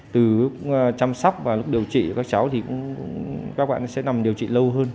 từ lúc chăm sóc và lúc điều trị của các cháu thì các bạn sẽ nằm điều trị lâu hơn